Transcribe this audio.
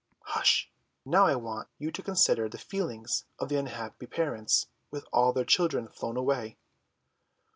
"Hush. Now I want you to consider the feelings of the unhappy parents with all their children flown away."